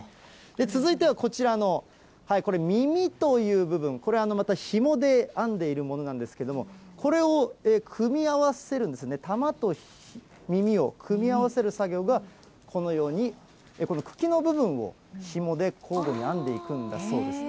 続いてはこちらの、これ、耳という部分、これ、またひもで編んでいるものなんですけれども、これを組み合わせるんですね、玉と耳を組み合わせる作業がこのように、この茎の部分をひもで交互に編んでいくんだそうです。